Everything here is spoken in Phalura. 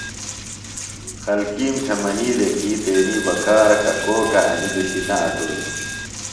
خلکِیم تھےۡ منی دےۡ کی تیݨی بکارہ ککوکہ انیۡ دُشیۡ نہ اُڑوئی۔